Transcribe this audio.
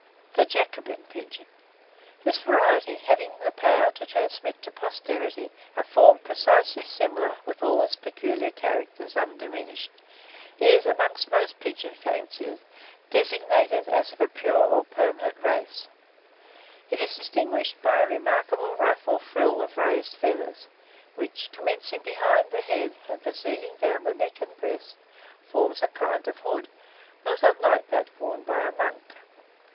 [Illustration: JACOBIN PIGEONS.] THE JACOBIN PIGEON. This variety, having the power to transmit to posterity a form precisely similar, with all its peculiar characters undiminished, is, among pigeon fanciers, designated as of a pure or permanent race. It is distinguished by a remarkable ruff or frill of raised feathers, which, commencing behind the head and proceeding down the neck and breast, forms a kind of hood, not unlike that worn by a monk.